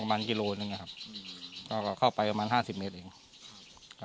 ประมาณกิโลหนึ่งนะครับก็เข้าไปประมาณห้าสิบเมตรเองครับ